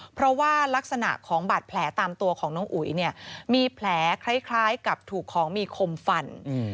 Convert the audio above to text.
เพราะว่ารักษณะของบาดแผลตามตัวของน้องอุ๋ยเนี่ยมีแผลคล้ายกับถูกของมีคมฟัน